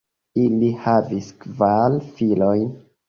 Ili havis kvar filojn.